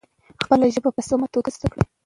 خپله ژبه په سمه توګه زده کړه.